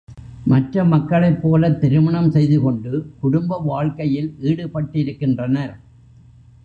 மற்ற மக்களைப் போலத் திருமணம் செய்து கொண்டு, குடும்ப வாழ்க்கையில் ஈடுபட்டிருக்கின்றனர்.